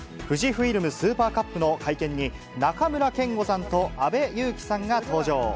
富士フイルム・スーパーカップの会見に、中村憲剛さんと阿部勇樹さんが登場。